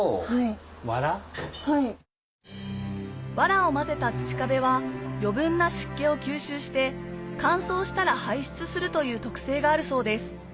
藁をまぜた土壁は余分な湿気を吸収して乾燥したら排出するという特性があるそうです